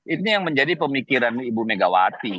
ini yang menjadi pemikiran ibu megawati